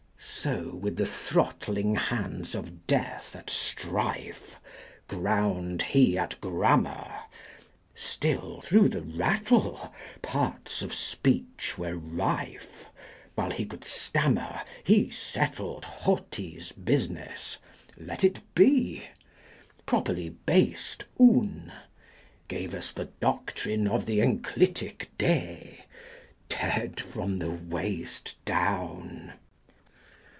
So, with the throttling hands of death at strife, 125 Ground he at grammar; Still, through the rattle, parts of speech were rife: While he could stammer He settled Hoti's business let it be! Properly based Oun 130 Gave us the doctrine of the enclitic De, Dead from the waist down.